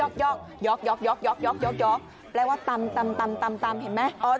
แปลว่าตำเห็นไหม